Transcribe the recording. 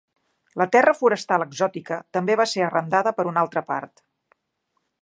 La terra forestal exòtica també va ser arrendada per una altra part.